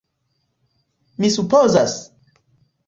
Mi supozas?